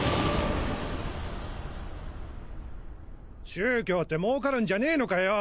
宗教って儲かるんじゃねェのかよ！？